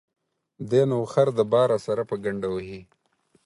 دى نو خر د باره سره په گڼده وهي.